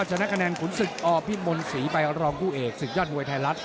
มาจากนักแนะนำขุนศึกอพิมพ์มนศ์ศรีไปรองผู้เอกศึกยอดมวยไทยรัฐ